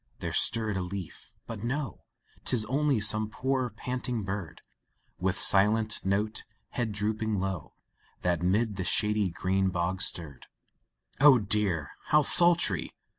there stirred a leaf, but no, Tis only some poor, panting bird, With silenced note, head drooping low, That 'mid the shady green boughs stirred. Oh dear! how sultry!